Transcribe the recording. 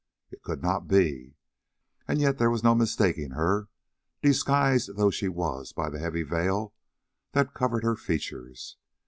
It could not be. And yet there was no mistaking her, disguised though she was by the heavy veil that covered her features.